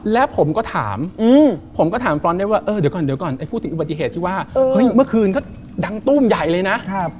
แล้วผมก็ถามผมก็ถามฟรอนได้ว่าเออเดี๋ยวก่อนเดี๋ยวก่อนพูดถึงอุบัติเหตุที่ว่าเฮ้ยเมื่อคืนก็ดังตู้มใหญ่เลยนะ